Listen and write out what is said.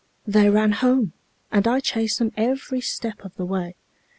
They ran home, and I chased them every step of the way.